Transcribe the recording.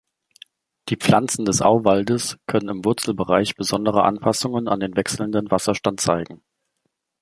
Die Pflanzen des Auwaldes können im Wurzelbereich besondere Anpassungen an den wechselnden Wasserstand zeigen.